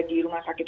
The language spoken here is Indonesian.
di rumah sakit